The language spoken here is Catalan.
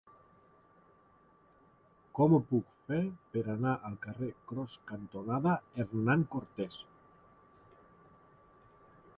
Com ho puc fer per anar al carrer Cros cantonada Hernán Cortés?